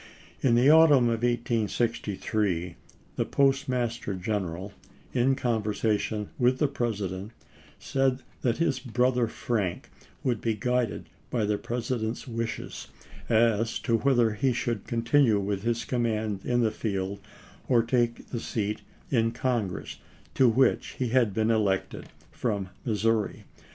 In the autumn of 1863 the Postmaster General, in conversation with the Pres ident, said that his brother Frank would be guided by the President's wishes as to whether he should continue with his command in the field or take the seat in Congress to which he had been elected from Missouri.